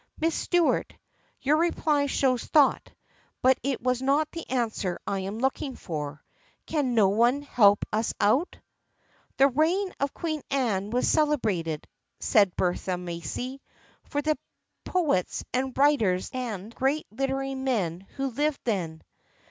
" Miss Stuart, your reply shows thought, but it was not the answer I am looking for. Can no one help us out ?"" The reign of Queen Anne was celebrated," said Bertha Macy, " for the poets and writers and great literary men who lived then."